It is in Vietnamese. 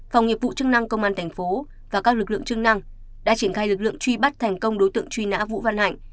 phòng nghiệp vụ chức năng công an thành phố và các lực lượng chức năng đã triển khai lực lượng truy bắt thành công đối tượng truy nã vũ văn hạnh